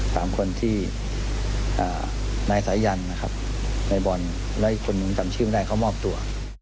สามคนที่อ่านายสายันนะครับนายบอลและอีกคนนึงจำชื่อได้เขามอบตัว